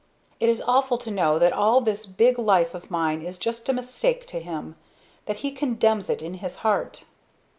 It is awful to know that all this big life of mine is just a mistake to him that he condemns it in his heart."